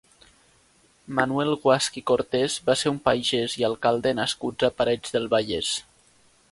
Manuel Guasch i Cortés va ser un pagès i alcalde nascut a Parets del Vallès.